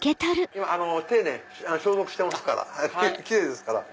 手消毒してますからキレイですから。